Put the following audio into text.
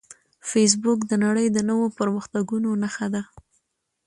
فېسبوک د نړۍ د نوو پرمختګونو نښه ده